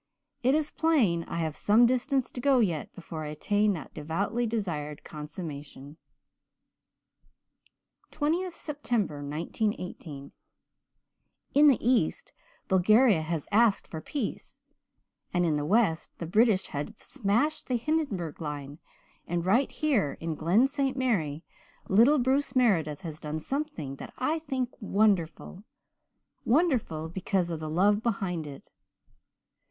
It is plain I have some distance to go yet before I attain that devoutly desired consummation." 20th September 1918 "In the east Bulgaria has asked for peace, and in the west the British have smashed the Hindenburg line; and right here in Glen St. Mary little Bruce Meredith has done something that I think wonderful wonderful because of the love behind it.